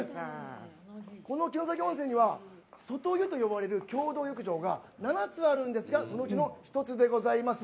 この城崎温泉には外湯と呼ばれる共同浴場が７つあるんですがそのうちの１つでございます。